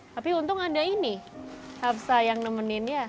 tapi untung ada ini hafsah yang nemeninnya